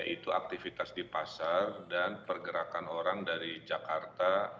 yaitu aktivitas di pasar dan pergerakan orang dari jakarta